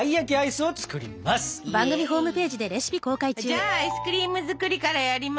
じゃあアイスクリーム作りからやりま。